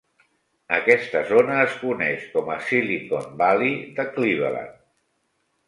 Aquesta zona es coneix com a Silicon Valley de Cleveland.